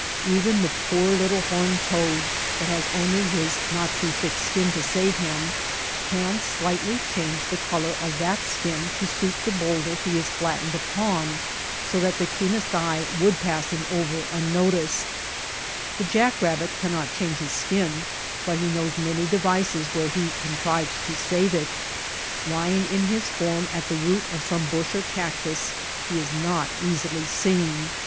Even the poor little horned toad, that has only his not too thick skin to save him, can slightly change the color of that skin to suit the bowlder he is flattened upon so that the keenest eye would pass him over unnoticed. The jack rabbit cannot change his skin, but he knows many devices whereby he The prey. Devices for escape. 162 THE DESERT Senses of the rabbit. Speed of the jaek rabbit. contrives to save it. Lying in his form at the root of some bush or cactus he is not easily seen.